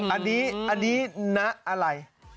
อันนี้อันนี้ณอะไร